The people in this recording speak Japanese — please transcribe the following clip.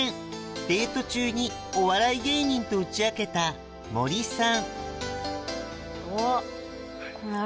デート中にお笑い芸人と打ち明けたモリさん